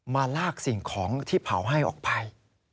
มาลากสิ่งของที่เผาให้ออกไป